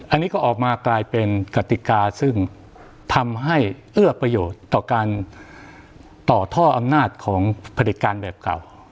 อันนี้ก็ออกมากลายเป็นกติกาซึ่งทำให้เอื้อประโยชน์ต่อการต่อท่ออำนาจของผลิตการแบบเก่า